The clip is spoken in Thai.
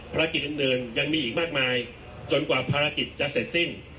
ภารกิจอื่นยังมีอีกมากมายจนกว่าภารกิจจะเสร็จสิ้น